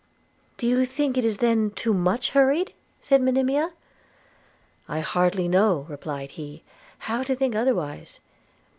'Do you think it then too much hurried?' said Monimia. 'I hardly know,' replied he, 'how to think it otherwise.